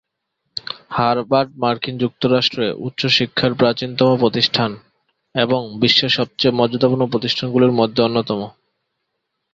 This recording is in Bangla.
হার্ভার্ড মার্কিন যুক্তরাষ্ট্রে উচ্চশিক্ষার প্রাচীনতম প্রতিষ্ঠান এবং বিশ্বের সবচেয়ে মর্যাদাপূর্ণ প্রতিষ্ঠানগুলির মধ্যে অন্যতম।